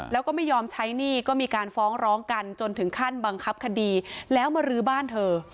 แล้วก็ไม่ยอมใช้หนี้ก็มีการฟ้องร้องกันจนถึงขั้นบังคับคดีแล้วมารื้อบ้านเธอ